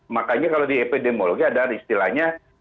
makanya kalau di epidemiologi ada istilahnya